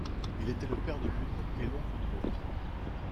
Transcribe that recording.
Il était le père de l’une et l’oncle de l’autre.